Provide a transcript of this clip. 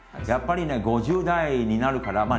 やっぱりね５０代になるから。